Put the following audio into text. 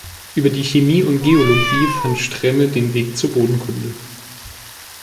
Über die Chemie und Geologie fand Stremme den Weg zur Bodenkunde.